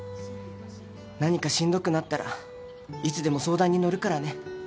何かしんどくなったらいつでも相談に乗るからね。